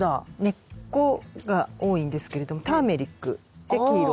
根っこが多いんですけれどもターメリックで黄色。